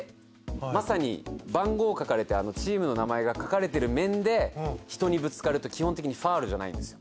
まさに番号書かれてチームの名前が書かれてる面で人にぶつかると基本的にファウルじゃないんですよ。